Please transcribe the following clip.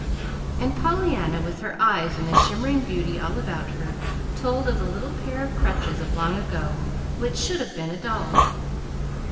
And Pollyanna, with her eyes on the shimmering beauty all about her, told of the little pair of crutches of long ago, which should have been a doll.